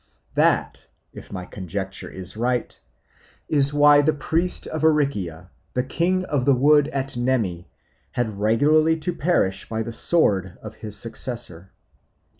That, if my conjecture is right, was why the priest of Aricia, the King of the Wood at Nemi, had regularly to perish by the sword of his successor.